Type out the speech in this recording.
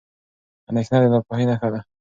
اندېښنه د ناپوهۍ نښه ده.